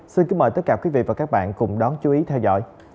xin kính mời tất cả quý vị và các bạn cùng đón chú ý theo dõi